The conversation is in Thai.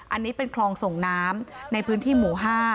อันนี้เป็นคลองส่งน้ำในพื้นที่หมู่๕